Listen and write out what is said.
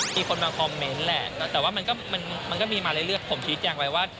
สนุกมากขึ้นมากกว่า